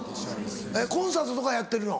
コンサートとかやってるの？